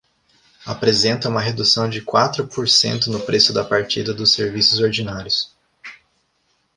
Apresenta uma redução de quatro por cento no preço da partida dos serviços ordinários.